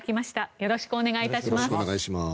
よろしくお願いします。